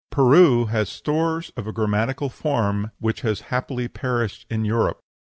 Peru has stores of a grammatical form which has happily perished in Europe.